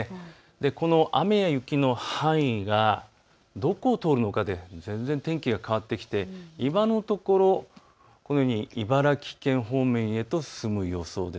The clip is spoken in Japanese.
この雨や雪の範囲がどこを通るのかで全然天気が変わってきて今のところ茨城県方面に進む予想です。